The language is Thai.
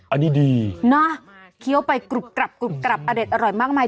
อันนี้ดีเนอะเคี้ยวไปกรุบกรับกรุบกรับอเด็ดอร่อยมากมาย